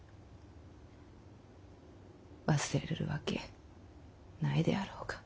忘れるわけないであろうか。